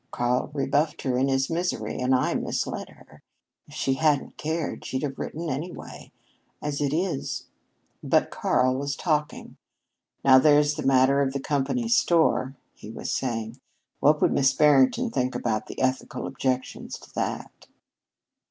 "Karl rebuffed her in his misery, and I misled her. If she hadn't cared she'd have written anyway. As it is " But Karl was talking. "Now there's the matter of the company store," he was saying. "What would Miss Barrington think about the ethical objections to that?"